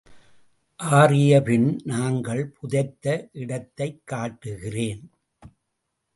ஆறியபின் நாங்கள் புதைத்த இடத்தைக் காட்டுகிறேன்.